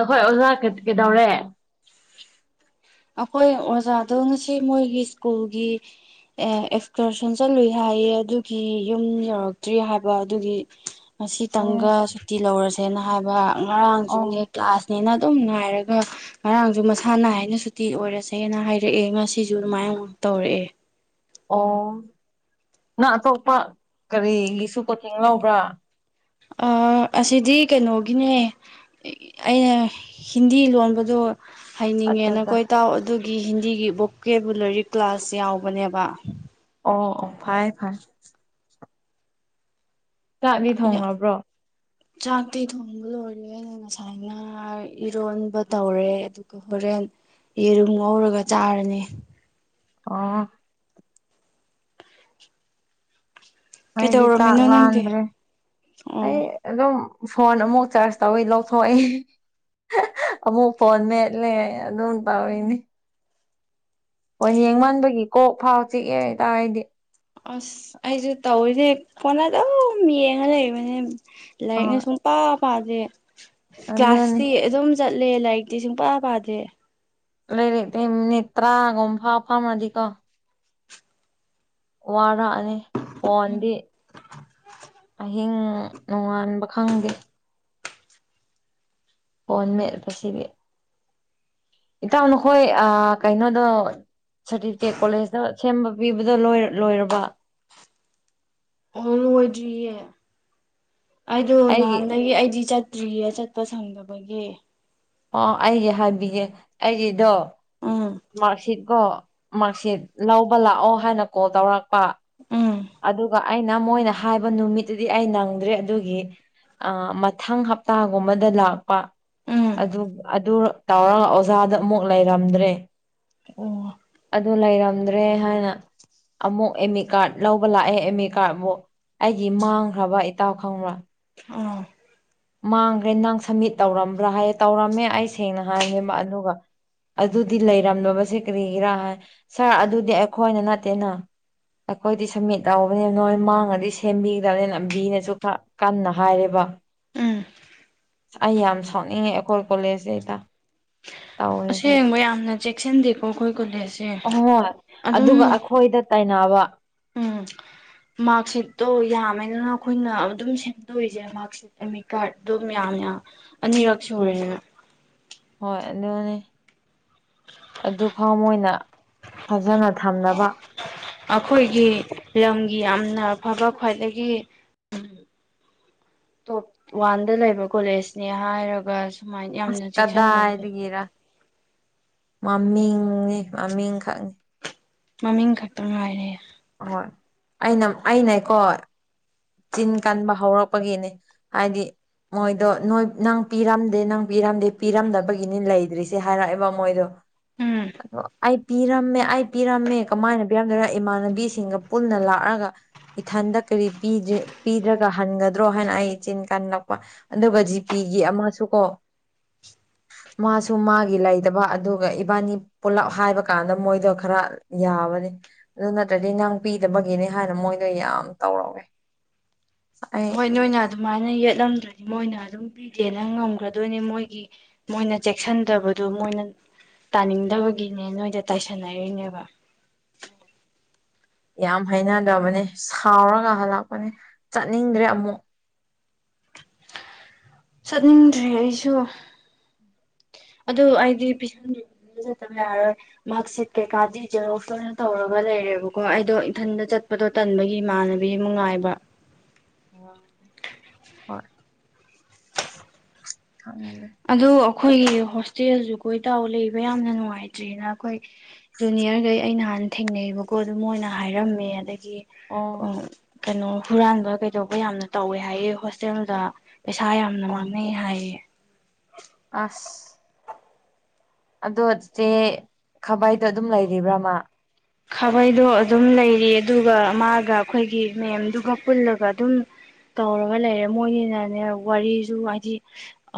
ꯅꯈꯣꯏ ꯑꯣꯖꯥ ꯀꯩ ꯀꯩꯗꯧꯔꯦ ꯑꯩꯈꯣꯏ ꯑꯣꯖꯥꯗꯣ ꯉꯁꯤ ꯃꯣꯏꯒꯤ ꯁ꯭ꯀꯨꯜꯒꯤ ꯑꯦ ꯑꯦꯛꯁꯀꯔꯁꯟ ꯆꯠꯂꯨꯏ ꯍꯥꯏꯌꯦ ꯑꯗꯨꯒꯤ ꯌꯨꯝ ꯌꯧꯔꯛꯇ꯭ꯔꯤ ꯍꯥꯏꯕ ꯑꯗꯨꯒꯤ ꯎꯝ ꯉꯁꯤꯇꯪꯒ ꯁꯨꯇꯤ ꯂꯧꯔꯁꯦꯅ ꯍꯥꯏꯕ ꯉꯔꯥꯡꯁꯨꯅꯦ ꯑꯣ ꯀ꯭ꯂꯥꯁꯅꯦꯅ ꯑꯗꯨꯝ ꯉꯥꯏꯔꯒ ꯉꯔꯥꯡꯁꯨ ꯃꯁꯥ ꯅꯥꯏꯅ ꯁꯨꯇꯤ ꯇꯤ ꯑꯣꯏꯔꯁꯦꯅ ꯍꯥꯏꯔꯛꯑꯦ ꯉꯁꯤꯁꯨ ꯑꯗꯨꯃꯥꯏꯅ ꯑꯃꯨꯛ ꯇꯧꯔꯛꯑꯦ ꯑꯣ ꯅꯪ ꯑꯇꯣꯞꯄ ꯀꯔꯤꯒꯤꯁꯨ ꯀꯣꯆꯤꯡ ꯌꯥꯎꯕ꯭ꯔꯥ ꯑꯥ ꯑꯁꯤꯗꯤ ꯀꯩꯅꯣꯒꯤꯅꯦ ꯑꯩꯅ ꯍꯤꯟꯗꯤ ꯂꯣꯟꯕꯗꯣ ꯑꯠꯆꯥ ꯑꯠꯆꯥ ꯍꯩꯅꯤꯡꯉꯦꯅꯈꯣꯏ ꯏꯇꯥꯎ ꯑꯗꯨꯒꯤ ꯍꯤꯟꯗꯤꯒꯤ ꯕꯣꯀꯦꯕꯨꯂꯔꯤ ꯀ꯭ꯂꯥꯁ ꯌꯥꯎꯕꯅꯦꯕ ꯑꯣ ꯑꯣ ꯐꯥꯏ ꯐꯥꯏ ꯆꯥꯛꯅꯤ ꯊꯣꯡꯉꯕ꯭ꯔꯣ ꯆꯥꯇꯤ ꯊꯣꯡꯝꯕ ꯂ ꯑꯣꯏꯦ ꯉꯁꯥꯏ ꯉ ꯏꯔꯣꯟꯕ ꯇꯧꯔꯦ ꯑꯗꯨꯒ ꯍꯣꯔꯦꯟ ꯌꯦꯔꯨꯝ ꯉꯔꯒ ꯆꯥꯔꯅꯤ ꯑꯣ ꯃꯗꯤ ꯀꯩꯗꯧꯔꯝꯃꯤꯅꯣ ꯅꯪꯗꯤ ꯆꯥꯛꯂꯗ꯭ꯔꯦ ꯑꯣ ꯑꯩ ꯑꯗꯨꯝ ꯐꯣꯟ ꯑꯃꯨꯛ ꯆꯥꯔꯖ ꯇꯧꯋꯤ ꯂꯧꯊꯣꯛꯏ ꯑꯃꯨꯛ ꯐꯣꯟ ꯃꯦꯠꯂꯦ ꯑꯗꯨꯝ ꯄꯥꯎꯏꯅꯤ ꯍꯣꯏ ꯌꯦꯡꯃꯟꯕꯒꯤ ꯀꯣꯛ ꯐꯥꯎ ꯆꯤꯛꯑꯦ ꯍꯥꯏꯇꯥꯔꯦꯗꯤ ꯑꯁ ꯑꯩꯁꯨ ꯇꯧꯋꯤꯅꯦ ꯀꯣꯟꯅ ꯑꯗꯨꯝ ꯌꯦꯡꯉ ꯂꯩꯕꯅꯤ ꯂꯥꯏꯔꯤꯛꯅ ꯑꯍꯣꯏ ꯁꯨꯝ ꯄꯥ ꯄꯥꯗꯦ ꯑꯗꯨꯅꯤ ꯀ꯭ꯂꯥꯁꯇꯤ ꯑꯗꯨꯝ ꯆꯠꯂꯦ ꯂꯥꯏꯔꯤꯛꯇꯤ ꯁꯨꯡ ꯄ ꯄꯥꯗꯦ ꯂꯩꯔꯤ ꯃꯤꯅꯤꯠ ꯇꯔꯥꯒꯨꯝꯐꯥ ꯐꯝꯃꯗꯤꯀꯣ ꯋꯥꯔꯛꯑꯅꯤ ꯐꯣꯟꯗꯤ ꯑꯍꯤꯡ ꯅꯣꯡꯉꯥꯟꯕ ꯈꯪꯗꯦ ꯐꯣꯟꯃꯦꯄꯗꯤ ꯏꯇꯥꯎ ꯅꯈꯣꯏ ꯀꯩꯅꯣꯗꯣ ꯁꯥꯔꯇꯤꯐꯤꯀꯦꯠ ꯀꯣꯂꯦꯖꯇ ꯁꯦꯝꯕ ꯄꯤꯕꯗꯣ ꯂꯣꯏꯔꯕ ꯑꯣ ꯂꯣꯏꯗ꯭ꯔꯤꯌꯦ ꯑꯩꯗꯣ ꯑꯩꯒꯤ ꯅꯍꯥꯟꯗꯒꯤ ꯑꯩꯗꯤ ꯆꯠ ꯇ꯭ꯔꯤꯌꯥ ꯆꯠꯄ ꯁꯪꯗꯕꯒꯤ ꯑꯣ ꯑꯩꯒꯤ ꯍꯥꯏꯕꯤꯌꯦꯦ ꯑꯩꯒꯤꯗꯣ ꯎꯝ ꯃꯥꯔꯛꯁꯤꯠꯀꯣ ꯃꯥꯔꯛꯁꯤꯠ ꯂꯧꯕ ꯂꯥꯛꯑꯣ ꯍꯥꯏꯅ ꯀꯣꯜ ꯇꯧꯔꯛꯄ ꯎꯝ ꯑꯗꯨꯒ ꯑꯩꯅ ꯃꯣꯏꯅ ꯍꯥꯏꯕ ꯅꯨꯃꯤꯠꯇꯨꯗꯤ ꯑꯩ ꯅꯪꯗ꯭ꯔꯦ ꯑꯗꯨꯒꯤ ꯑ ꯃꯊꯪ ꯍꯞꯇꯥꯒꯨꯝꯕꯗ ꯂꯥꯛꯄ ꯎꯝ ꯑꯗꯨ ꯑꯗꯨ ꯇꯧꯔꯒ ꯑꯣꯖꯥꯗ ꯑꯃꯨꯛ ꯂꯩꯔꯝꯗ꯭ꯔꯦ ꯑꯣ ꯑꯗꯨ ꯂꯩꯔꯝꯗ꯭ꯔꯦ ꯍꯥꯏꯅ ꯑꯃꯨꯛ ꯑꯃꯤ ꯀꯥꯔꯗ ꯂꯧꯕ ꯂꯥꯛꯑꯦ ꯑꯦꯝ ꯑꯦ ꯀꯥꯔꯠꯕꯨ ꯑꯩꯒꯤ ꯃꯥꯡꯈ꯭ꯔꯕ ꯏꯇꯥꯎ ꯈꯪꯕ꯭ꯔꯥ ꯑꯥ ꯃꯥꯡꯈ꯭ꯔꯦ ꯅꯪ ꯁꯝꯃꯤꯠ ꯇꯧꯔꯝꯕ꯭ꯔꯥ ꯍꯥꯏꯌꯦ ꯇꯧꯔꯝꯃꯦ ꯑꯩ ꯁꯦꯡꯅ ꯍꯥꯏꯕꯅꯦ ꯑꯗꯨꯒ ꯑꯗꯨꯗꯤ ꯂꯩꯔꯝꯂꯕꯁꯦ ꯀꯔꯤꯒꯤꯔꯥ ꯍꯥꯏ ꯁꯥꯔ ꯑꯗꯨꯗꯤ ꯑꯩꯈꯣꯏꯅ ꯅꯠꯇꯦꯅ ꯑꯩꯈꯣꯏꯗꯤ ꯁꯝꯃꯤꯠ ꯇꯧꯕꯅꯦ ꯅꯣꯏ ꯃꯥꯡꯉꯗꯤ ꯁꯦꯝꯕꯤꯒꯗꯕꯅꯤꯅ ꯂꯝꯕꯤꯅꯁꯨ ꯈꯔ ꯀꯟꯅ ꯍꯥꯏꯔꯦꯕ ꯎꯝ ꯑꯩ ꯌꯥꯝ ꯁꯥꯎꯅꯤꯡꯉꯦ ꯑꯩꯈꯣꯏ ꯀꯣꯂꯦꯖꯇꯩꯩꯗ ꯇꯧꯔꯁꯦ ꯑꯁꯦꯡꯕ ꯌꯥꯝꯅ ꯆꯦꯛꯁꯤꯟꯗꯦꯀꯣ ꯑꯩꯈꯣꯏ ꯀꯣꯂꯦꯖꯁꯦ ꯍꯣꯏ ꯑꯗꯨꯝ ꯑꯗꯨꯒ ꯑꯩꯈꯣꯏꯗ ꯇꯥꯏꯅꯅꯥꯕ ꯃꯥꯔꯛ ꯁꯤꯠꯇꯣ ꯌꯥꯝꯃꯦꯗꯅ ꯑꯩꯈꯣꯏꯅ ꯑꯗꯨꯝ ꯁꯦꯝꯗꯣꯛꯏꯁꯦ ꯃꯥꯔꯛꯠ ꯑꯃꯤ ꯀꯥꯔꯗ ꯑꯗꯨꯝ ꯌꯥꯝꯅ ꯑꯅꯤꯔꯛ ꯎꯝ ꯁꯨꯔꯦꯗꯅ ꯍꯣꯏ ꯑꯗꯨꯅꯦ ꯑꯗꯨ ꯐꯥꯎ ꯃꯅ ꯐꯖꯅ ꯊꯝꯅꯕ ꯑꯩꯈꯣꯏꯒꯤ ꯂꯝꯒꯤ ꯌꯥꯝꯅ ꯐꯕ ꯈ꯭ꯋꯥꯏꯗꯒꯤ ꯇꯣꯞ ꯋꯥꯟꯗ ꯂꯩꯕ ꯀꯣꯂꯦꯖꯅꯤ ꯍꯥꯏꯔꯒ ꯁꯨꯃꯥꯏꯅ ꯑꯁ ꯌꯥꯝꯅ ꯆꯦꯛꯁꯤꯟꯗꯕꯁꯦ ꯀꯗꯥꯏꯗꯒꯤꯔ ꯃꯃꯤꯡꯅꯤ ꯃꯃꯤꯡ ꯈꯛꯅꯤ ꯃꯃꯤꯡ ꯈꯛꯇ ꯉꯥꯏꯔꯦ ꯑꯣꯏ ꯑꯩꯅ ꯑꯅꯦꯀꯣ ꯆꯤꯟ ꯀꯟꯕ ꯍꯧꯔꯛꯄꯒꯤꯅꯦ ꯍꯥꯏꯗꯤ ꯃꯣꯏꯗꯣ ꯅꯣꯏ ꯅꯪ ꯄꯤꯔꯝꯗꯦ ꯅꯪ ꯄꯤꯔꯝꯗꯦ ꯄꯤꯔꯝꯗꯕꯒꯤꯅꯤ ꯂꯩꯗ꯭ꯔꯤꯁꯦ ꯍꯥꯏꯔꯛꯑꯦꯕ ꯃꯣꯏꯗꯣ ꯎꯝ ꯑ ꯑꯩ ꯄꯤꯔꯝꯃꯦ ꯑꯩ ꯄꯤꯔꯝꯃꯦ ꯀꯃꯥꯏꯅ ꯄꯤꯔꯝꯗꯣꯏꯅ ꯏꯃꯥꯟꯅꯕꯤ ꯁꯤꯡꯒ ꯄꯨꯟꯅ ꯂꯥꯛꯑꯒ ꯏꯊꯟꯗ ꯀꯔꯤ ꯄꯤꯗ꯭ꯔꯒ ꯍꯟꯒꯗ꯭ꯔꯣ ꯍꯥꯏꯅ ꯑꯩ ꯆꯤꯟ ꯀꯜꯂꯛꯄ ꯑꯗꯨꯒ ꯖꯤꯄꯤꯒꯤ ꯑꯃꯁꯨ ꯀꯣ ꯃꯥꯁꯨ ꯃꯥꯒꯤ ꯂꯩꯗꯕ ꯑꯗꯨꯒ ꯏꯕꯥꯅꯤ꯫ ꯄꯨꯂꯞ ꯍꯥꯏꯕ ꯀꯥꯟꯗ ꯃꯣꯏꯗꯣ ꯈꯔ ꯌꯥꯕꯅꯤ ꯑꯗꯨꯅ ꯑꯗꯨꯗꯗꯤ ꯅꯪ ꯄꯤꯗꯕꯒꯤꯅꯦ ꯍꯥꯏꯅ ꯃꯣꯏꯗꯣ ꯌꯥꯝ ꯇꯧꯔꯧꯋꯦ꯫ ꯍꯣꯏ ꯅꯣꯏꯅ ꯑꯗꯨꯃꯥꯏꯅ ꯌꯦꯠꯂꯝꯗ꯭ꯔꯗꯤ ꯃꯣꯏꯅ ꯑꯗꯨꯝ ꯄꯤꯗꯦꯅ ꯉꯝꯈ꯭ꯔꯗꯣꯏꯅꯦ ꯃꯣꯏꯒꯤ ꯃꯣꯏꯅ ꯆꯦꯛꯁꯤꯟꯗꯕꯗꯨ ꯃꯣꯏꯅ ꯇꯥꯅꯤꯡꯗꯕꯒꯤꯅꯦ ꯅꯣꯏꯗ ꯇꯥꯏꯁꯟꯅꯔꯤꯣꯏꯅꯦꯕ ꯌꯥꯝ ꯍꯩꯅꯗꯕꯅꯦ ꯁꯥꯎꯔꯒ ꯍꯂꯛꯄꯅꯦ ꯆꯠꯅꯤꯡꯗ꯭ꯔꯦ ꯑꯃꯨꯛ ꯆꯠꯅꯤꯡꯗ꯭ꯔꯔꯤ ꯑꯩꯁꯨ ꯑꯗꯨ ꯑꯩꯗꯤ ꯄꯁꯤꯟꯗ꯭ꯔꯤ꯫ ꯄꯤꯈꯇꯕ ꯌꯥꯔꯣꯏ꯫ ꯃꯥ ꯁꯤꯠ ꯀꯩꯀꯥꯗꯤꯖꯔ ꯑꯣꯅ ꯇꯧꯔꯒ ꯂꯩꯔꯦꯕꯀꯣ ꯑꯩꯗꯣ ꯏꯊꯟꯗ ꯆꯠꯄꯗꯣ ꯇꯟꯕꯒꯤ ꯏꯃꯥꯟꯅꯕꯤ ꯑꯃꯥꯉꯥꯏꯕ꯫ ꯑꯣ ꯍꯣꯏ ꯀꯨꯪꯗꯔꯦ ꯫ ꯑꯗꯨ ꯑꯩꯈꯣꯏꯒꯤ ꯍꯣꯁꯇꯦꯜꯁꯨ ꯀꯣꯏꯇꯎ ꯂꯩꯕ ꯌꯥꯝꯅ ꯅꯨꯡꯉꯥꯏꯇ꯭ꯔꯦꯅ ꯑꯩꯈꯣꯏ ꯖꯨꯅꯤꯌꯔꯈꯩ ꯑꯩ ꯅꯍꯥꯟ ꯊꯦꯡꯅꯩꯕꯀꯣ ꯑꯗꯨ ꯃ ꯑꯣꯏꯅ ꯍꯥꯏꯔꯝꯃꯦ ꯑꯗꯒꯤ ꯑꯣ ꯎ ꯀꯩꯅꯣ ꯍꯨꯔꯥꯟꯕ ꯀꯩꯗꯧꯕ ꯌꯥꯝꯅ ꯇꯧꯋꯦ ꯍꯥꯏꯌꯦ ꯍꯣꯁꯇꯦꯜꯗ ꯄꯩꯁꯥ ꯌꯥꯝꯅ ꯑꯣ ꯃꯥꯡꯅꯩ ꯍꯥꯏꯌꯦ꯫ ꯑꯁ ꯑꯗꯣ ꯏꯆꯦ ꯈꯕꯥꯏꯗꯣ ꯑꯗꯨꯝ ꯂꯩꯔꯤꯕ꯭ꯔꯥꯃ꯫ ꯈꯥꯕꯩꯗꯣ ꯑꯗꯨꯝ ꯂꯩꯔꯤ ꯑꯗꯨꯒ ꯃꯥꯒ ꯑꯩꯈꯣꯏꯒꯤ ꯃꯦꯝꯗꯨꯒ ꯄꯨꯜꯂꯒ ꯑꯗꯨꯝ ꯇꯧꯔꯒ ꯂꯩꯔꯦ ꯃꯣꯏꯅꯤꯅꯅꯦ ꯋꯥꯔꯤꯁꯨ ꯍꯥꯏꯗꯤ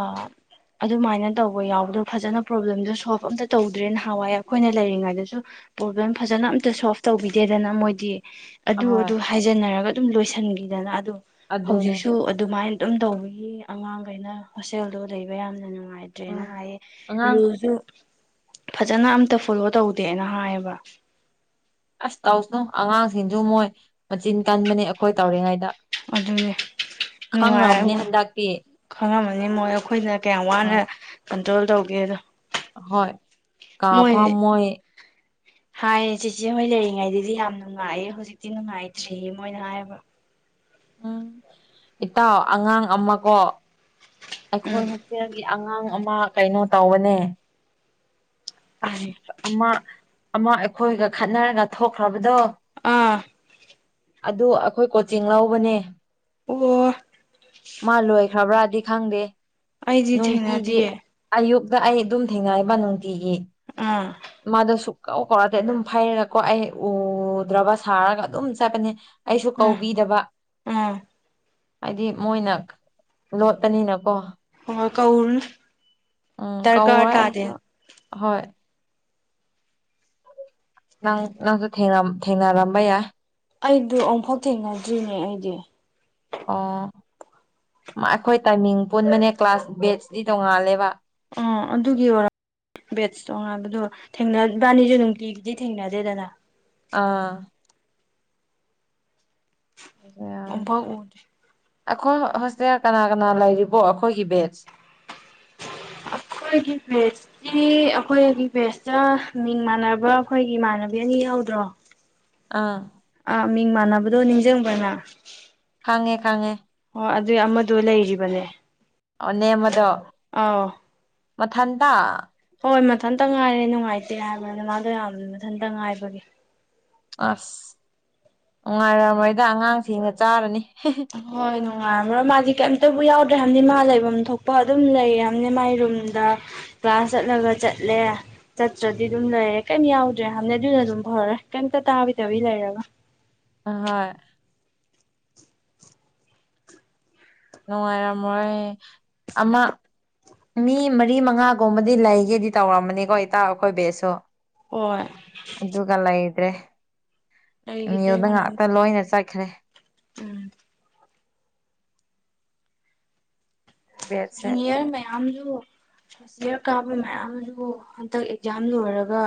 ꯑ ꯑꯗꯨꯃꯥꯏꯅ ꯇꯧꯕ ꯌꯥꯎꯕꯗꯣ ꯐꯖꯅ ꯄ꯭ꯔꯣꯕ꯭ꯂꯦꯝꯗꯣ ꯁꯣꯜꯕ ꯑꯝꯇ ꯇꯧꯗ꯭ꯔꯦ ꯅꯍꯥꯟꯋꯥꯏ ꯑꯩꯈꯣꯏꯅ ꯂꯩꯔꯤꯉꯩꯗꯁꯨ ꯄ꯭ꯔꯣꯕ꯭ꯂꯦꯝ ꯐꯖꯅ ꯑꯝꯇ ꯁꯣꯜꯕ ꯇꯧꯕꯤꯗꯦꯗꯅ ꯃꯣꯏꯗꯤ ꯑꯗꯨ ꯑꯍꯣꯏ ꯑꯗꯨ ꯍꯥꯏꯖꯟꯅꯔꯒ ꯑꯗꯨꯝ ꯂꯣꯏꯁꯤꯟꯈꯤꯗꯅ ꯑꯗꯣ ꯑꯗꯨꯅꯦ ꯍꯧꯖꯤꯛꯁꯨ ꯑꯗꯨꯃꯥꯏꯅ ꯑꯗꯨꯝ ꯇꯧꯕꯒꯤ ꯑꯉꯥꯡꯈꯩꯅ ꯍꯣꯁꯇꯦꯜꯗꯣ ꯂꯩꯕ ꯌꯥꯝꯅ ꯅꯨꯡꯉꯥꯏꯗ ꯐꯠꯇ꯭ꯔꯦꯅ ꯎꯝ ꯍꯥꯏꯌꯦ ꯑꯉꯥꯡ ꯔꯨꯜꯁꯨ ꯐꯖꯅ ꯑꯝꯇ ꯐꯣꯂꯣ ꯇꯧꯗꯦꯅ ꯍꯥꯏꯌꯦꯕ꯫ ꯑꯁ ꯇꯧꯁꯅꯨ ꯑꯉꯥꯡꯁꯤꯡꯁꯨ ꯃꯣꯏ ꯃꯆꯤꯟ ꯀꯟꯕꯅꯤ ꯑꯩꯈꯣꯏ ꯇꯧꯔꯤꯉꯩꯗ ꯑꯗꯨꯗꯤ ꯈꯪꯔꯝꯅꯤ ꯅꯨꯡꯉꯥꯏꯅꯨꯡ ꯍꯟꯗꯛꯇꯤ ꯈꯪꯉꯝꯃꯅꯤ ꯃꯣꯏ ꯑꯩꯈꯣꯏꯅ ꯀꯌꯥꯝ ꯋꯥꯅ ꯀꯟꯇ꯭ꯔꯣꯜ ꯇꯧꯒꯦꯗꯣ꯫ ꯍ ꯀꯥ ꯐꯥ ꯃꯣꯏ ꯍꯥꯏꯌꯦ ꯆꯦꯆꯦ ꯍꯣꯏ ꯂꯩꯔꯤꯉꯩꯗꯗꯤ ꯌꯥꯝ ꯅꯨꯡꯉꯥꯏꯑꯦ ꯍꯧꯖꯤꯛꯇꯤ ꯅꯨꯡꯉꯥꯏꯇ꯭ꯔꯤꯌꯦ ꯃꯣꯏꯅ ꯍꯥꯏꯔꯕ꯭ꯔꯥ ꯎꯝ ꯏꯇꯥꯎ ꯑꯉꯥꯡ ꯑꯃꯀꯣ ꯑꯩꯈꯣꯏ ꯎꯝ ꯍꯣꯁꯇꯦꯜꯒꯤ ꯑꯉꯥꯡ ꯑꯃ ꯀꯩꯅꯣ ꯇꯧꯕꯅꯦ꯫ ꯑꯁ ꯀꯔꯤ ꯑꯃ ꯑꯃ ꯑꯩꯈꯣꯏꯒ ꯈꯠꯅꯔꯒ ꯊꯣꯛꯈ꯭ꯔꯕꯗꯣ ꯑꯥ ꯑꯗꯨ ꯑꯩꯈꯣꯏ ꯀꯣꯆꯤꯡ ꯂꯧꯕꯅꯦ꯫ ꯍꯥꯂꯣ ꯃꯥ ꯂꯣꯏꯈ꯭ꯔꯕ꯭ꯔꯥꯗꯤ ꯈꯪꯗꯦ ꯑꯩꯗꯤ ꯅꯨꯡꯇꯤꯒꯤ꯫ ꯊꯦꯡꯅꯗꯤꯌꯦ ꯑꯌꯨꯛꯇ ꯑꯩ ꯑꯗꯨꯝ ꯊꯦꯡꯅꯕ ꯅꯨꯡꯇꯤꯒꯤ꯫ ꯎꯝ ꯃꯥꯗꯣ ꯁꯨꯛꯀꯥꯎ ꯀꯧꯔꯗꯤ ꯑꯗꯨꯝ ꯐꯩꯔꯒꯀꯣ ꯑꯩ ꯎꯗ꯭ꯔꯕ ꯁꯥꯔꯒ ꯑꯗꯨꯝ ꯆꯠꯄꯅꯦ ꯑꯩꯁꯨ ꯑꯥ ꯀꯧꯕꯤꯗꯕ ꯑꯥ ꯍꯥꯏꯗꯤ ꯃꯣꯏꯅ ꯂꯣꯠ ꯄꯥꯅꯤꯅꯥꯀꯣ [unintelligible] ꯎꯝ ꯗꯔꯀꯥꯔ ꯀꯧꯔꯣꯏ ꯇꯥꯗꯦ ꯑꯩꯁꯨ ꯍꯣꯏ ꯅꯪ ꯅꯪꯁꯨ ꯊꯦꯡꯔꯝ ꯊꯦꯡꯅꯔꯝꯕ ꯌꯥꯏ꯫ ꯑꯩꯗꯨ ꯑꯃꯨꯐꯥꯎ ꯊꯦꯡꯅꯗ꯭ꯔꯤꯅꯦ ꯑꯩꯗꯤ ꯑꯣ ꯑꯩꯈꯣꯏ ꯇꯥꯏꯃꯤꯡ ꯄꯨꯟꯕꯅꯦ ꯀ꯭ꯂꯥꯁ ꯕꯦꯠꯆꯗꯤ ꯇꯣꯡꯉꯥꯜꯂꯦꯕ ꯎꯝ ꯑꯗꯨꯒꯤ ꯑꯣꯏꯔ ꯕꯦꯠꯁ ꯇꯣꯉꯥꯟꯕꯗꯣ ꯊꯦꯡꯅ ꯕꯥꯅꯤꯁꯨ ꯅꯨꯡꯇꯤꯒꯤꯗꯤ ꯊꯦꯡꯅꯗꯦꯗꯅ ꯑꯥ ꯑꯝꯐꯥꯎ ꯎꯗꯦ ꯑꯩꯈꯣꯏ ꯍꯣꯁꯇꯦꯜ ꯀꯅꯥ ꯀꯅꯥ ꯂꯩꯔꯤꯕꯣ ꯑꯩꯈꯣꯏꯒꯤ ꯕꯦꯠꯁ ꯒꯤ ꯕꯦꯠꯁ ꯁꯤ ꯑꯩꯈꯣꯏꯒꯤ ꯕꯦꯠꯁꯇ ꯃꯤꯡ ꯃꯥꯟꯅꯕ ꯑꯈꯣꯏꯒꯤ ꯏꯃꯥꯟꯅꯕꯤ ꯑꯅꯤ ꯌꯥꯎꯗ꯭ꯔꯣ ꯑꯥ ꯑꯥ ꯃꯤꯡ ꯃꯥꯟꯅꯕꯗꯣ ꯅꯤꯡꯁꯤꯡꯕꯅ ꯈꯥꯡꯉꯦ ꯈꯥꯡꯉꯦ ꯑꯣ ꯑꯗꯨꯏ ꯑꯃꯗꯣ ꯂꯩꯔꯤꯕꯅꯦ ꯑꯣ ꯅꯦꯝꯕꯗꯣ ꯑꯣ ꯃꯊꯟꯗ ꯍꯣꯏ ꯃꯊꯟꯇ ꯉꯥꯏꯔꯦ ꯅꯨꯡꯉꯥꯏꯇꯦ ꯍꯥꯏꯕꯅꯦ ꯃꯥꯗꯣ ꯌꯥꯝꯅ ꯃꯊꯟꯇ ꯉꯥꯏꯕꯒꯤ ꯑꯁ ꯅꯨꯡꯉꯥꯏꯔꯝꯃꯣꯏꯗ ꯑꯉꯥꯡꯁꯤꯡꯅ ꯆꯥꯔꯅꯤ ꯍꯣꯏ ꯅꯨꯡꯉꯥꯏꯔꯝꯃꯣꯏ ꯃꯥꯗꯤ ꯀꯦꯝꯇꯕꯨ ꯌꯥꯎꯗ꯭ꯔꯦ ꯍꯥꯏꯕꯅꯤ ꯃꯥ ꯂꯩꯐꯝ ꯊꯣꯛꯄ ꯑꯗꯨꯝ ꯂꯩꯔꯦ ꯍꯥꯏꯕꯅꯤ ꯃꯥꯏ ꯔꯨꯝꯗ ꯀꯂ꯭ꯥꯁ ꯆꯠꯂꯒ ꯆꯠꯂꯦ ꯆꯠꯇ꯭ꯔꯗꯤ ꯑꯗꯨꯝ ꯂꯩꯔꯦ ꯀꯦꯝ ꯌꯥꯎꯗ꯭ꯔꯦ ꯍꯥꯟꯅ ꯑꯗꯨꯅ ꯑꯗꯨꯝ ꯐꯔꯦ ꯀꯦꯝꯇ ꯇꯥꯕꯤꯗꯕꯤ ꯂꯩꯔꯒ ꯍꯣꯏ ꯅꯨꯡꯉꯥꯏꯔꯝꯃꯣꯏ ꯑꯃ ꯃꯤ ꯃꯔꯤ ꯃꯉꯥꯒꯨꯝꯕꯗꯤ ꯂꯩꯒꯦꯗꯤ ꯇꯧꯔꯝꯃꯅꯤꯀꯣ ꯏꯇꯧ ꯑꯈꯣꯏ ꯕꯦꯠꯁꯁꯨ ꯍꯣꯏ ꯑꯗꯨꯒ ꯂꯩꯇ꯭ꯔꯦ ꯑꯦꯝ ꯌꯨ ꯂꯩꯈꯤꯗ꯭ꯔꯦ ꯉꯥꯛꯇ ꯀꯅꯥꯝꯇ ꯂꯣꯏꯅ ꯆꯠꯈ꯭ꯔꯦ ꯎꯝ ꯕꯦꯠꯁꯦ ꯖꯨꯅꯤꯌꯔ ꯃꯌꯥꯝꯁꯨ ꯐꯥꯔꯁ ꯁꯦꯅꯤꯑꯣꯔ ꯀꯥꯕꯥ ꯃꯌꯥꯝꯗꯨ ꯍꯟꯗꯛ ꯑꯦꯛꯖꯥꯝ ꯂꯣꯏꯔꯒ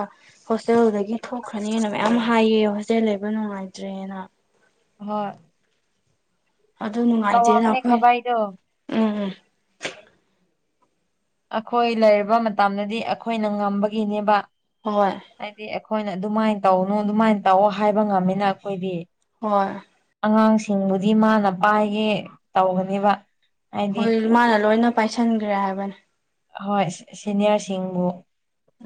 ꯍꯣꯁꯇꯦꯜꯗꯒꯤ ꯊꯣꯛꯈ꯭ꯔꯅꯤꯅ ꯃꯌꯥꯝ ꯍꯥꯏꯌꯦ ꯍꯣꯁꯇꯦꯜ ꯂꯩꯕ ꯅꯨꯡꯉꯥꯏꯇ꯭ꯔꯦꯅ ꯍꯣꯏ ꯑꯗꯨ ꯅꯨꯡꯉꯥꯏꯇꯦꯗ ꯇꯧꯔꯝꯅꯤ ꯑꯩꯈꯣꯏ ꯈꯥꯕꯩꯗꯣ ꯎꯝ ꯎꯝ ꯑꯩꯈꯣꯏ ꯂꯩꯔꯤꯕ ꯃꯇꯝꯗꯗꯤ ꯑꯩꯈꯣꯏꯅ ꯉꯝꯕꯒꯤꯅꯦꯕ ꯍꯣꯏ ꯍꯥꯏꯗꯤ ꯑꯩꯈꯣꯏꯅ ꯑꯗꯨꯃꯥꯏꯅ ꯇꯧꯅꯨ ꯑꯗꯨꯃꯥꯏꯅ ꯇꯧꯑꯣ ꯍꯥꯏꯕ ꯉꯝꯃꯦꯅ ꯑꯈꯣꯏꯗꯤ ꯍꯣꯏ ꯑꯉꯥꯡꯁꯤꯡꯕꯨꯗꯤ ꯃꯥꯅ ꯄꯥꯏꯒꯦ ꯇꯧꯕꯅꯦꯕ ꯍꯣꯏ ꯃꯥꯅ ꯂꯣꯏꯅ ꯄꯥꯏꯁꯟꯈ꯭ꯔꯦ ꯍꯥꯏꯕꯅꯦ ꯍꯣꯏ ꯁꯤꯅꯤꯌꯥꯔꯁꯤꯡꯕꯨ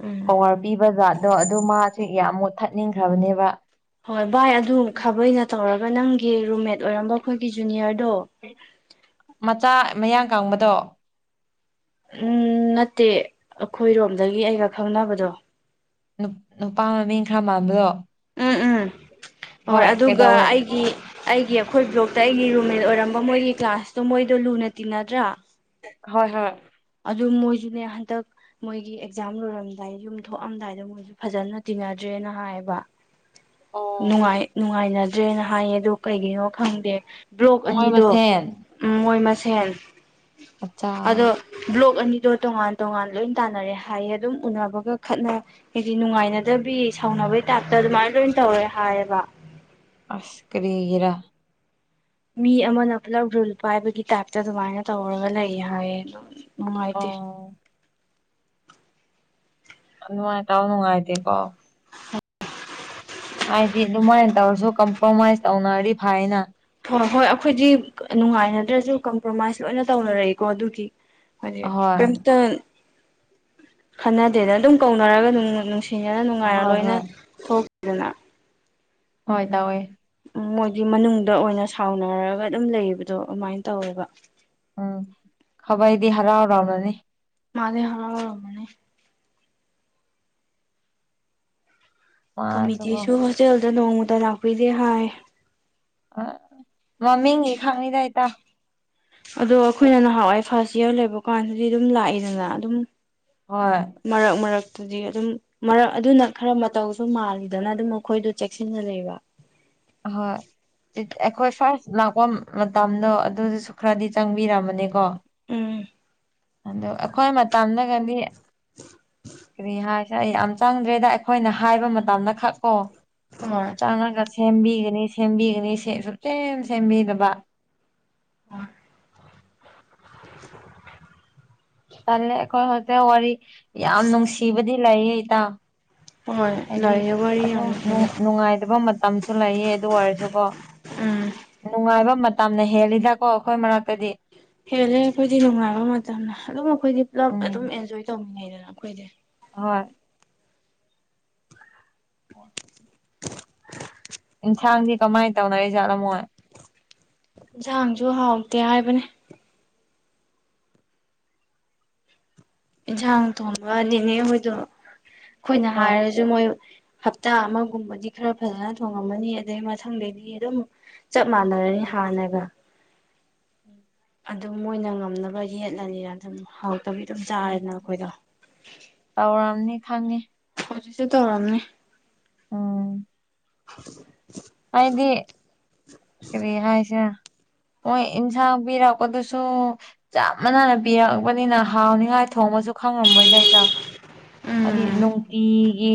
ꯎꯝ ꯄꯋꯥꯔ ꯄꯤꯕ ꯖꯥꯠꯗꯣ ꯑꯗꯨ ꯃꯥꯁꯦ ꯌꯥꯝ ꯃꯨꯊꯠ ꯅꯤꯡꯈ꯭ꯔꯕꯅꯦꯕ ꯍꯣꯏ ꯚꯥꯏ ꯑꯗꯨ ꯈꯥꯕꯩꯅ ꯇꯧꯔꯒ ꯅꯪꯒꯤ ꯔꯨꯝꯃꯦꯠ ꯑꯣꯏꯔꯝꯕ ꯑꯈꯣꯏꯒꯤ ꯖꯨꯅꯤꯌꯔꯗꯣ ꯃꯆꯥ ꯃꯌꯥꯡ ꯀꯥꯡꯕꯗꯣ ꯎꯝ ꯅꯠꯇꯦ ꯑꯩꯈꯣꯏꯔꯣꯝꯗꯒꯤ ꯑꯩꯒ ꯈꯪꯅꯕꯗꯣ ꯅꯨꯄꯥ ꯃꯃꯤꯡ ꯈꯔꯥ ꯃꯥꯟꯕꯗꯣ ꯎꯝ ꯍꯣꯏ ꯑꯗꯨꯒ ꯑꯩꯒꯤ ꯑꯩꯒꯤ ꯑꯈꯣꯏ ꯒꯔꯨꯞꯇ ꯑꯩꯒꯤ ꯔꯨꯝꯃꯦꯠ ꯑꯣꯏꯔꯝꯕ ꯃꯣꯏꯒꯤ ꯀ꯭ꯂꯥꯁꯇꯣ ꯃꯣꯏꯗꯣ ꯂꯨꯅ ꯇꯤꯟꯅꯗ꯭ꯔꯥ ꯍꯣꯏ ꯍꯣꯏ ꯑꯗꯨ ꯃꯣꯏꯁꯨꯅꯦ ꯍꯟꯗꯛ ꯃꯣꯏꯒꯤ ꯑꯦꯛꯖꯥꯝ ꯂꯣꯏꯔꯝꯗꯥꯏ ꯌꯨꯝ ꯊꯣꯛꯑꯝꯗꯥꯏꯗ ꯃꯣꯏꯁꯨ ꯐꯖꯅ ꯇꯤꯟꯅꯗ꯭ꯔꯦꯅ ꯍꯥꯏꯌꯦꯕ ꯑꯣ ꯅꯨꯡꯉꯥꯏ ꯅꯨꯡꯉꯥꯏꯅꯗ꯭ꯔꯦꯅ ꯍꯥꯏꯌꯦ ꯑꯣ ꯀꯩꯒꯤꯅꯣ ꯈꯪꯗꯦ ꯕ꯭ꯂꯣꯛ ꯃꯣꯏ ꯑꯅꯤꯗꯣ ꯃꯁꯦꯟ ꯎꯝ ꯃꯣꯏ ꯃꯁꯦꯟ ꯑꯆꯥ ꯑꯗꯣ ꯕ꯭ꯂꯣꯛ ꯑꯅꯤꯗꯣ ꯇꯣꯉꯥꯟ ꯇꯣꯉꯥꯟ ꯂꯣꯏ ꯇꯥꯟꯅꯔꯦ ꯍꯥꯏꯌꯦ ꯑꯗꯨꯝ ꯎꯅꯕꯒ ꯈꯠꯅ ꯍꯥꯏꯗꯤ ꯅꯨꯡꯉꯥꯏꯅꯗꯕꯤ ꯁꯥꯎꯅꯕꯩ ꯇꯥꯏꯞꯇ ꯑꯗꯨꯃꯥꯏꯅ ꯂꯣꯏꯅ ꯇꯧꯔꯦ ꯍꯥꯏꯌꯦꯕ ꯑꯁ ꯀꯔꯤꯒꯔ ꯃꯤ ꯑꯃꯅ ꯄꯨꯂꯞ ꯔꯨꯜ ꯄꯥꯏꯕꯒꯤ ꯇꯥꯏꯞꯇ ꯑꯗꯨꯃꯥꯏꯅ ꯇꯧꯔꯒ ꯂꯩ ꯍꯥꯏꯌꯦ ꯑꯗꯨꯝ ꯅꯨꯡꯉꯥꯏꯇꯦ ꯑꯣ ꯅꯨꯡꯉꯥꯏꯇꯥꯎ ꯅꯨꯡꯉꯥꯏꯇꯦꯀꯣ ꯍꯥꯏꯗꯤ ꯑꯗꯨꯃꯥꯏꯅ ꯇꯧꯔꯁꯨ ꯀꯝꯄ꯭ꯔꯣꯃꯥꯏꯁ ꯇꯧꯅꯔꯤ ꯐꯥꯏꯅ ꯍꯣꯏ ꯍꯣꯏ ꯑꯩꯈꯣꯏꯗꯤ ꯅꯨꯡꯉꯥꯏꯅꯗ꯭ꯔꯁꯨ ꯀꯝꯄ꯭ꯔꯣꯃꯥꯏꯁ ꯂꯣꯏꯅ ꯇꯧꯅꯔꯛꯏꯀꯣ ꯑꯗꯨꯒꯤ ꯍꯧꯖꯤ ꯑꯍꯣꯏ ꯀꯩꯇ ꯈꯟꯅꯗꯦꯗ ꯑꯗꯨꯝ ꯀꯧꯅꯔꯒ ꯑꯗꯨꯝ ꯅꯨꯡ ꯊꯤꯖꯅ ꯅꯨꯡꯉꯥꯏꯅ ꯍꯣꯏ ꯂꯣꯏꯅ ꯍꯣꯏ ꯊꯣꯛꯈꯤꯗꯅ ꯍꯣꯏ ꯇꯧꯋꯦ ꯎꯝ ꯃꯣꯏꯒꯤ ꯃꯅꯨꯡꯗ ꯑꯣꯏꯅ ꯁꯥꯎꯅꯔꯒ ꯑꯗꯨꯝ ꯂꯩꯕꯗꯣ ꯑꯗꯨꯃꯥꯏꯅ ꯇꯧꯋꯦꯕ ꯎꯝ ꯈꯕꯏꯗꯤ ꯍꯔꯥꯎ ꯍꯔꯥꯎꯅꯅꯤ ꯃꯗꯤꯌꯥ ꯍꯂ ꯔꯝꯅꯦ ꯃꯥꯁꯨꯀꯣ ꯀꯃꯤꯇꯤꯁꯨ ꯍꯣꯁꯇꯦꯜꯗ ꯅꯣꯡꯃꯗ ꯂꯥꯛꯄꯤꯗꯦ ꯍꯥꯏ ꯑ ꯃꯃꯤꯡꯒꯤ ꯈꯥꯡꯉꯗꯥꯏꯇꯥ ꯑꯗꯣ ꯑꯩꯈꯣꯏꯅ ꯅꯍꯥꯟꯋꯥꯏ ꯐꯥꯔꯁ ꯏꯌꯥꯔ ꯂꯩꯕ ꯀꯥꯟꯗꯗꯤ ꯑꯗꯨꯝ ꯂꯥꯛꯏꯗꯅ ꯑꯗꯨꯝ ꯍꯣꯏ ꯃꯔꯛ ꯃꯔꯛ ꯍꯧꯖꯤꯛ ꯑꯗꯨꯝ ꯃꯔꯛ ꯑꯗꯨꯅ ꯈꯔ ꯃꯇꯧꯁꯨ ꯃꯥꯜꯂꯤꯗꯅ ꯑꯗꯨꯝ ꯃꯈꯣꯏꯗꯣ ꯆꯦꯛꯁꯤꯟꯅ ꯂꯩꯕ ꯍꯣꯏ ꯑꯩꯈꯣꯏ ꯐꯥꯔꯁ ꯂꯥꯛꯄ ꯃꯇꯝꯗꯣ ꯑꯗꯨꯗꯨꯁꯨ ꯈꯔꯗꯤ ꯆꯪꯕꯤꯔꯝꯃꯅꯤꯀꯣ ꯎꯝ ꯑꯗ ꯑꯩꯈꯣꯏ ꯃꯇꯝꯗꯒꯗꯤ ꯀꯔꯤ ꯍꯥꯏꯁꯦ ꯑꯩ ꯌꯥꯝ ꯆꯪꯗ꯭ꯔꯦꯗ ꯑꯩꯈꯣꯏꯅ ꯍꯥꯏꯕ ꯃꯇꯝꯗ ꯈꯛ ꯀꯣ ꯑꯣ ꯆꯥꯡꯉꯒ ꯁꯦꯝꯕꯤꯒꯅꯤ ꯁꯦꯝꯕꯤꯒꯅꯤ ꯁꯨꯞ ꯁꯦꯝ ꯁꯦꯝꯕꯤꯗꯅꯕ ꯑꯣ ꯆꯜꯂꯦ ꯑꯩꯈꯣꯏ ꯍꯧꯖꯤꯛ ꯋꯥꯔꯤ ꯌꯥꯝ ꯅꯨꯡꯁꯤꯕꯗꯤ ꯂꯩꯌꯦ ꯏꯇ ꯍꯣꯏ ꯍꯥꯏꯗꯤ ꯂꯥꯏꯔꯤꯛ ꯋꯥꯔꯤ ꯑꯗꯨꯝ ꯌꯥꯝꯅ ꯍꯦꯜꯂꯦ ꯅꯨꯡꯉꯥꯏꯇꯕ ꯃꯇꯝꯁꯨ ꯂꯩꯌꯦ ꯑꯗꯨ ꯑꯣꯏꯔꯁꯨꯀꯣ ꯎꯝ ꯅꯨꯡꯉꯥꯏꯕ ꯃꯇꯝꯅ ꯍꯦꯜꯂꯤꯗꯀꯣ ꯑꯩꯈꯣꯏ ꯃꯔꯛꯇꯗꯤ ꯍꯦꯜꯂꯦ ꯑꯩꯈꯣꯏꯗꯤ ꯅꯨꯡꯉꯥꯏꯕ ꯃꯇꯝ ꯑꯗꯨꯝ ꯑꯩꯈꯣꯏꯗꯤ ꯄꯨꯂꯞ ꯑꯗꯨꯝ ꯎꯝ ꯑꯦꯟꯖꯣꯏ ꯇꯧꯅꯤꯡꯉꯩꯗꯅ ꯑꯩꯈꯣꯏꯗꯤ ꯍꯣꯏ ꯋꯥ ꯏꯟꯁꯥꯥꯡ ꯀꯃꯥꯏ ꯇꯧꯅꯔꯤ ꯆꯂ ꯑꯃꯣ ꯌꯦꯟꯁꯥꯡꯁꯨ ꯍꯥꯎꯇꯦ ꯍꯥꯏꯕꯅꯦ ꯏꯟꯁꯥꯡ ꯊꯣꯡꯕꯅꯤꯅꯦ ꯃꯣꯏꯗꯣ ꯑꯩꯈꯣꯏꯅ ꯍꯣꯏ ꯍꯥꯏꯔꯁꯨ ꯃꯣꯏ ꯍꯞꯇꯥ ꯑꯃꯒꯨꯝꯕꯗꯤ ꯈꯔ ꯐꯖꯅ ꯊꯣꯡꯉꯝꯃꯅꯤ ꯑꯗꯨꯗꯩ ꯃꯊꯪꯗꯩꯗꯤ ꯑꯗꯨꯝ ꯆꯞ ꯃꯥꯟꯅꯔꯅꯤ ꯍꯥꯟꯅꯒ ꯑꯗꯨꯝ ꯃꯣꯏꯅ ꯉꯝꯅꯕ ꯌꯦꯠꯂꯅꯤꯅ ꯑꯗꯨꯝ ꯍꯥꯎꯔꯇꯕꯤ ꯑꯗꯨꯝ ꯆꯥꯔꯦꯅ ꯑꯩꯈꯣꯏꯗꯣ ꯇꯧꯔꯝꯅꯤ ꯈꯪꯉꯤ ꯍꯧꯖꯤꯛꯁꯨꯦ ꯇꯧꯔꯝꯅꯦ ꯎꯝ ꯍꯥꯏꯗꯤ ꯀꯔꯤꯌꯥ ꯍꯥꯏꯁ ꯍꯣꯏ ꯏꯟꯁꯥꯡ ꯄꯤꯔꯛꯄꯗꯨꯁꯨ ꯆꯞ ꯃꯥꯟꯅꯥꯅ ꯄꯤꯔꯛꯄꯅꯤꯅ ꯍꯥꯎꯅꯤꯡꯉꯥꯏ ꯊꯣꯡꯕꯁꯨ ꯈꯪꯉꯝꯃꯣꯏꯗꯏꯗꯥꯎ ꯍꯥꯏꯗꯤ ꯎꯝ ꯅꯨꯡꯇꯤꯒꯤ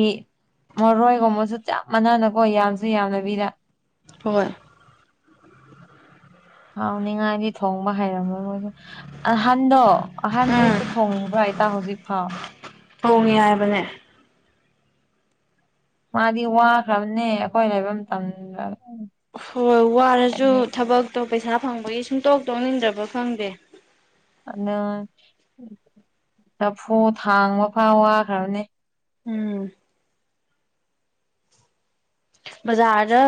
ꯃꯔꯣꯏꯒꯨꯝꯕꯁꯨ ꯆꯞ ꯃꯥꯟꯅꯥꯅꯀꯣ ꯌꯥꯝꯁꯨ ꯌꯥꯝꯅꯕꯤꯗ ꯍꯣꯏ ꯍꯥꯎꯅꯤꯡꯉꯥꯏꯗꯤ ꯊꯣꯡꯕ ꯍꯩꯔꯝꯔꯣꯏ ꯃꯣꯏꯁꯦ ꯑꯍꯟꯗꯣ ꯑꯍꯟꯗꯨꯁꯨ ꯎꯝ ꯊꯣꯡꯉꯤꯕ꯭ꯔ ꯑꯩꯇꯥ ꯍꯧꯖꯤꯛ ꯐꯥꯎ ꯊꯣꯡꯉꯤ ꯍꯥꯏꯕꯅꯦ ꯃꯥꯗꯤ ꯋꯥꯈ꯭ꯔꯕꯅꯦ ꯑꯩꯈꯣꯏ ꯂꯩꯕ ꯃꯇꯝꯗ ꯍꯣꯏ ꯋꯥꯔꯁꯨ ꯍꯥꯏꯗꯤ ꯊꯕꯛꯇꯣ ꯄꯩꯁꯥ ꯐꯪꯕꯒꯤ ꯁꯨꯡꯇꯣꯛ ꯇꯣꯛꯅꯤꯡꯗ꯭ꯔꯕ ꯈꯪꯗꯦ ꯑꯗꯨ ꯆꯐꯨ ꯊꯥꯡꯕ ꯐꯥꯎ ꯋꯥꯈ꯭ꯔꯕꯅꯦ ꯎꯝ ꯕꯖꯥꯔꯗ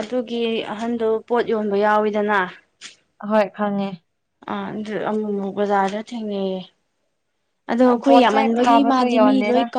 ꯑꯗꯨꯒꯤ ꯑꯍꯟꯗꯣ ꯄꯣꯠ ꯌꯣꯟꯕ ꯌꯥꯎꯋꯤꯗꯅ ꯍꯣꯏ ꯈꯪꯉꯦ ꯑꯥ ꯑꯗꯨ ꯑꯃꯨꯛ ꯑꯃꯨꯛ ꯕꯖꯥꯔꯗ ꯊꯦꯡꯅꯩꯌꯦ ꯑꯗꯣ ꯑꯩꯈꯣꯏ ꯄꯣꯠ ꯆꯩ ꯌꯥꯝꯃꯟꯕꯒꯤ ꯐꯕꯁꯨ ꯃꯥꯗꯤ ꯃꯤ ꯌꯣꯟꯗꯦꯗ ꯂꯣꯏ ꯀꯥꯎ